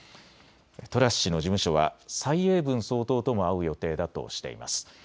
トラス氏の事務所は蔡英文総統とも会う予定だとしています。